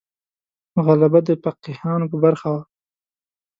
غلبه د فقیهانو په برخه وه.